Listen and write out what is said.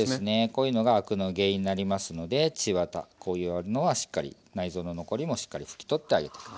こういうのがアクの原因になりますので血ワタこういうのはしっかり内臓の残りもしっかり拭き取ってあげて下さい。